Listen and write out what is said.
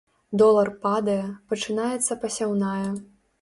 Долар падае, пачынаецца пасяўная.